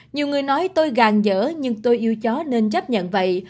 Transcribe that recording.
nhiều người nói tôi gàn dở nhưng tôi yêu chó nên chấp nhận vậy